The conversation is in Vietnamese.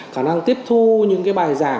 khả năng tiếp thu những cái bài giảng